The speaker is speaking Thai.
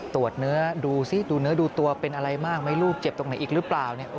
ตรวจเนื้อดูซิดูเนื้อดูตัวเป็นอะไรมากไหมลูกเจ็บตรงไหนอีกหรือเปล่าเนี่ย